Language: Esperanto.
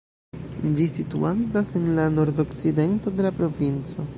Ĝi situantas en la nordokcidento de la provinco.